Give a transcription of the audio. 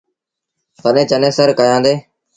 تڏهيݩ چنيسر ڪيآندي ۔